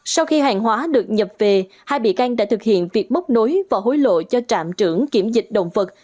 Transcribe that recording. sau khi hàng hóa được nhập về hai bị can đã thực hiện việc mốc nối và hối lộ cho trạm trưởng kiểm dịch động vật